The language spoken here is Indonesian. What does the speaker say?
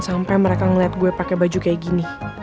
sampai mereka ngeliat gue pakai baju kayak gini